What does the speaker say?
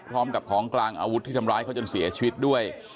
พร้อมกับของกลางอาวุธที่ทำร้ายเขาจนเสียชีวิตด้วย